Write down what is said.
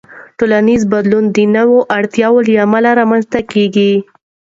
ټولنیز بدلون د نوو اړتیاوو له امله رامنځته کېږي.